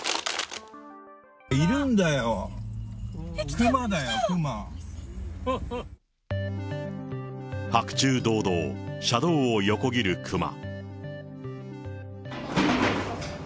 いるんだよ。来てる、白昼堂々、車道を横切るクマ。